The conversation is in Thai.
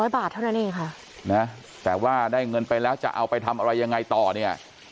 บาทเท่านั้นเองค่ะนะแต่ว่าได้เงินไปแล้วจะเอาไปทำอะไรยังไงต่อเนี่ย